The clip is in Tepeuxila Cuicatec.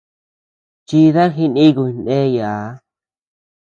Chida jinikuy ndeyee.